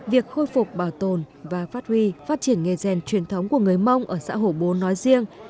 việc khôi phục bảo tồn và phát huy phát triển nghề rèn truyền thống của người mông ở xã hồ bốn nói riêng